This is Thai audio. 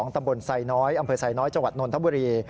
ตำบลไซน้อยอำเภยไซน้อยจนนทบุรี